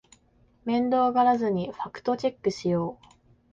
面倒がらずにファクトチェックしよう